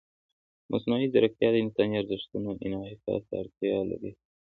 مصنوعي ځیرکتیا د انساني ارزښتونو انعکاس ته اړتیا لري.